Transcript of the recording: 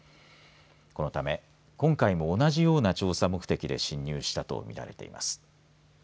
このため今回も同じような調査目的で侵入したとみられています。